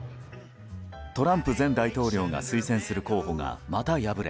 トランプ前大統領が推薦する候補がまた敗れ